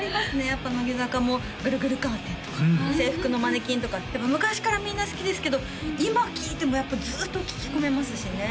やっぱ乃木坂も「ぐるぐるカーテン」とか「制服のマネキン」とか昔からみんな好きですけど今聴いてもやっぱずっと聴き込めますしね